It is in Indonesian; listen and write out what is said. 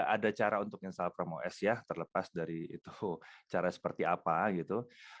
ada cara untuk install cromo s ya terlepas dari itu cara seperti apa gitu